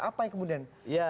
apa yang kemudian